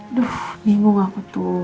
aduh bingung aku tuh